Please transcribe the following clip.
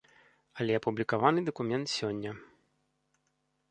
Але апублікаваны дакумент сёння.